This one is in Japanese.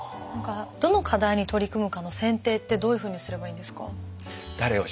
何かどの課題に取り組むかの選定ってどういうふうにすればいいんですか？